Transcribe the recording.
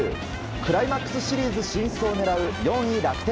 クライマックスシリーズ進出を狙う４位、楽天。